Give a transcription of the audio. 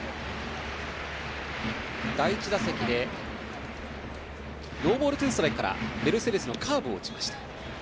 第１打席でノーボールツーストライクからメルセデスのカーブを打ちました。